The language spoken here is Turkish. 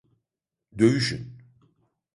Dövüşün!